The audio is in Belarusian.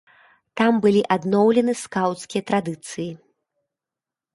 Там былі адноўлены скаўцкія традыцыі.